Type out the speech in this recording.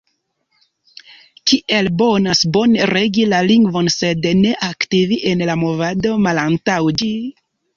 Kiel bonas bone regi la lingvon sed ne aktivi en la Movado malantaŭ ĝi?